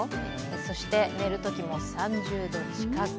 そして寝るときも３０度近く。